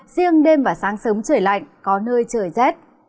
riêng đêm và sáng sớm trời lạnh có nơi trời rét